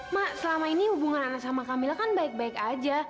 mak selama ini hubungan ana sama kamila kan baik baik aja